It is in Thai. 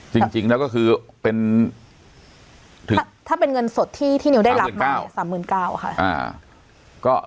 จริงจริงแล้วก็คือเป็นถ้าเป็นเงินสดที่ที่นิวได้รับมาสามหมื่นเก้าค่ะอ่า